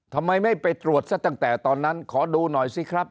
ทำไมไม่ไปตรวจซะตั้งแต่ตอนนั้นขอดูหน่อยสิครับ